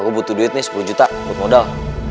aku butuh duit nih sepuluh juta buat modal